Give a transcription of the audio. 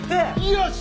よし！